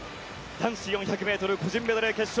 男子４００ｍ個人メドレー決勝。